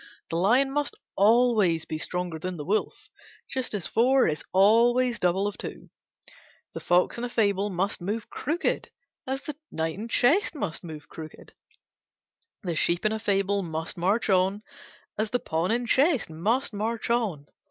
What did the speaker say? The lion must always be stronger than the wolf, just as four is always double of two. The fox in a fable must move crooked, as the knight in chess must move crooked. The sheep in a fable must march on, as the pawn in chess must march on.